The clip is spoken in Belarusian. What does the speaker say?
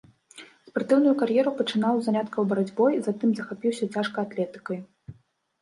Спартыўную кар'еру пачынаў з заняткаў барацьбой, затым захапіўся цяжкай атлетыкай.